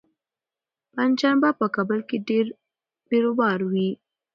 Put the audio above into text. پنجشنبه په کابل کې ډېر بېروبار وي.